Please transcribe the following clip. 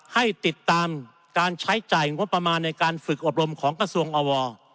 ให้ติดตามการใช้จ่ายงบประมาณในการฝึกอบรมของกระทรวงอว